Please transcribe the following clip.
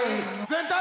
全体